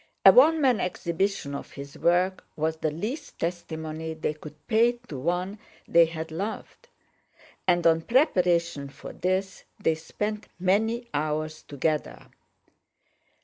A one man exhibition of his work was the least testimony they could pay to one they had loved; and on preparation for this they spent many hours together.